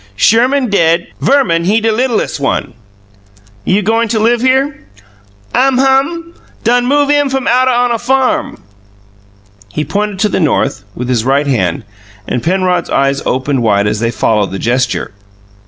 Sherman dead. Verman, he de littles' one." "You goin' to live here?" "Umhuh. Done move in f'm way outen on a fahm." He pointed to the north with his right hand, and Penrod's eyes opened wide as they followed the gesture.